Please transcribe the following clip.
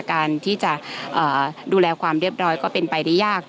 การที่จะดูแลความเรียบร้อยก็เป็นไปได้ยาก